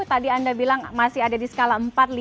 tadi anda bilang masih ada di skala empat lima